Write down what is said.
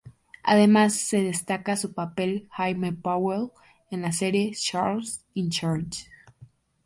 Además, se destaca su papel como Jamie Powell en la serie "Charles in Charge".